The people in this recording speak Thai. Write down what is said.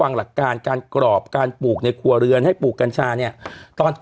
อืมอืมอืมอืมอืม